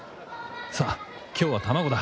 さあ今日は卵だ。